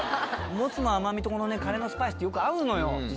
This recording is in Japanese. もつの甘みとこのねカレーのスパイスってよく合うのよ実は。